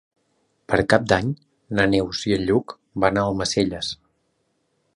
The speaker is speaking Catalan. Per Cap d'Any na Neus i en Lluc van a Almacelles.